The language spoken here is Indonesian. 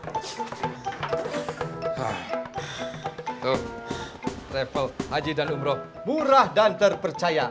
tuh travel haji dan umroh murah dan terpercaya